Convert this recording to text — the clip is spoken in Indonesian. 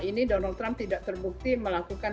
ini donald trump tidak terbukti melakukan